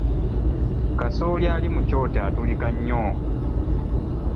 Kasooli ali mu kyoto atulika nnyo.